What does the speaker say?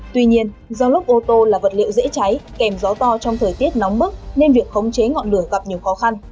tuy nhiên do lốc ô tô là vật liệu dễ cháy kèm gió to trong thời tiết nóng bức nên việc khống chế ngọn lửa gặp nhiều khó khăn